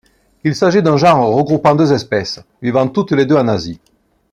Il s'agit d'un genre regroupant deux espèces, vivant toutes les deux en Asie.